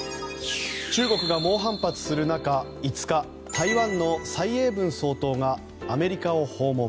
中国が猛反発する中５日、台湾の蔡英文総統がアメリカを訪問。